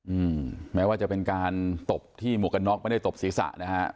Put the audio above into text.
อืมแม้ว่าจะเป็นการตบที่หมวกกันน็อกไม่ได้ตบศีรษะนะฮะ